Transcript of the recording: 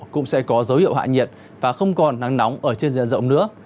cũng sẽ có dấu hiệu hạ nhiệt và không còn nắng nóng ở trên diện rộng nữa